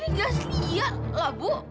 ini dia lia lah bu